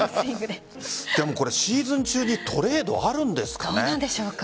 でもこれシーズン中にトレードどうなんでしょうか。